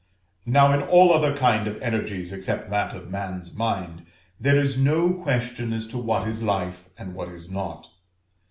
Now in all other kind of energies except that of man's mind, there is no question as to what is life, and what is not.